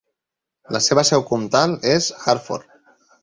La seva seu comtal és Hartford.